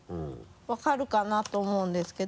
分かるかなと思うんですけど。